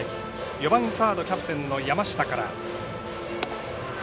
４番サードキャプテンの山下から。